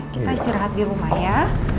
kita istirahat dirumah ya